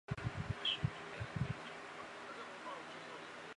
现效力于中国足球甲级联赛球队浙江毅腾。